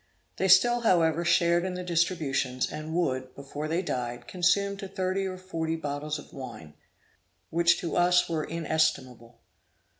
They still, however, shared in the distributions, and would, before they died, consume to thirty or forty bottles of wine, which to us were inestimable.